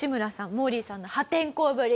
モーリーさんの破天荒ぶり。